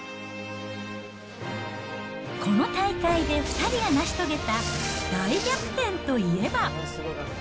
この大会で２人が成し遂げた大逆転といえば。